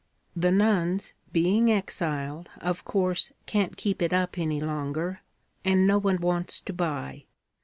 'The nuns, being exiled, of course can't keep it up any longer, and no one wants to buy.